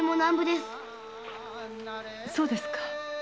そうですか。